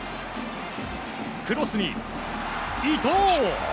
クロスに伊東！